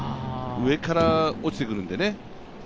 上から落ちてくるのでね。